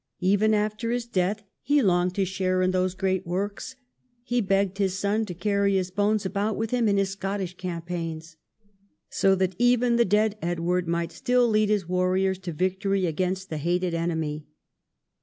Even after his death he longed to share in those great works. He begged his son to caixy his bones about with him in his Scottish campaigns, so that even the dead Edward might still lead his warriors to victory against the hated enemy.